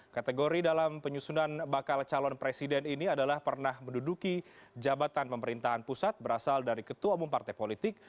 kategori dalam penyusunan bakal calon presiden ini adalah pernah menduduki jabatan pemerintahan pusat berasal dari ketua umum partai politik